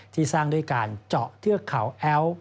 ที่สร้างด้วยการเจาะเทือกเขาแอ้ว